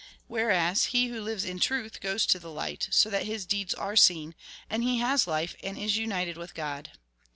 Whereas he who lives in truth goes to the light, so that his deeds are seen ; and he has life, and is united with God.